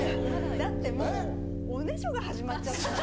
だってもうおねしょが始まっちゃったんで。